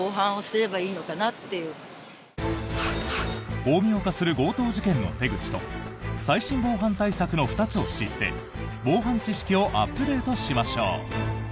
巧妙化する強盗事件の手口と最新防犯対策の２つを知って防犯知識をアップデートしましょう。